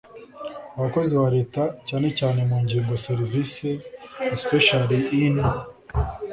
Abakozi ba Leta cyane cyane mu ngingo service especially in